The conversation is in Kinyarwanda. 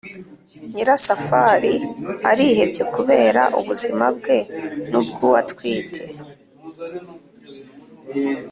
nyirasafari arihebye kubera ubuzima bwe n’ubwuwatwite ;